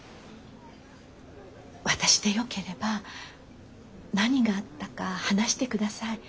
私でよければ何があったか話してください。